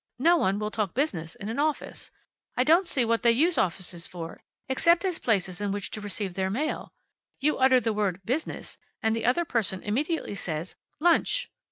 No one will talk business in an office. I don't see what they use offices for, except as places in which to receive their mail. You utter the word `Business,' and the other person immediately says, `Lunch.'